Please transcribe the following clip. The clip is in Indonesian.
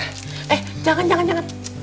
eh jangan jangan jangan